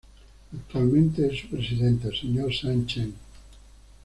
Actualmente es su presidente el Sr. Sean Chen.